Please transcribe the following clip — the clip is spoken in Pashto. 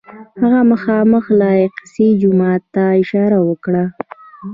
هغه مخامخ الاقصی جومات ته اشاره وکړه.